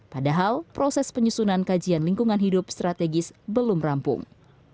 padahal proses penyusunan kajian lingkungan hidup strategis belum rampung